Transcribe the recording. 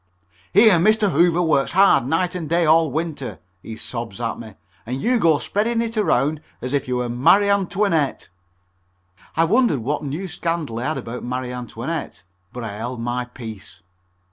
"Here Mr. Hoover works hard night and day all winter," he sobs at me, "and you go spreading it around as if you were Marie Antoinette." I wondered what new scandal he had about Marie Antoinette, but I held my peace.